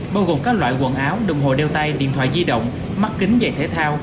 bao gồm các loại quần áo đồng hồ đeo tay điện thoại di động mắt kính dạy thể thao